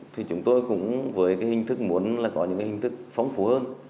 thì chúng tôi cũng với hình thức muốn có những hình thức phóng phú hơn